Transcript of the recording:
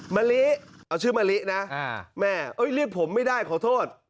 มะลิเอาชื่อมะลินะแม่เรียกผมไม่ได้ขอโทษ